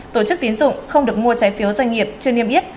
tổ chức tín dụng không được mua trái phiếu doanh nghiệp chưa niêm yết